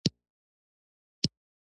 سود مه خورئ